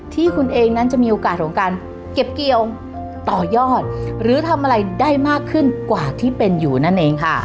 ที่คุณเองนั้นจะมีโอกาสของการเก็บเกี่ยวต่อยอดหรือทำอะไรได้มากขึ้นกว่าที่เป็นอยู่นั่นเองค่ะ